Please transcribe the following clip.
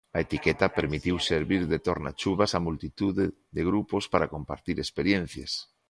A etiqueta permitiu servir de tornachuvas a multitude de grupos para compartir experiencias.